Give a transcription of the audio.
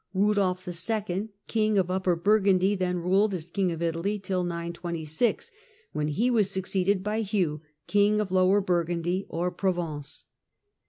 Piudolf IL, King of Upper Bur undy, then ruled as King of Italy till 926, when he was succeeded by Hugh, King of Lower Burgundy, or Pro vence.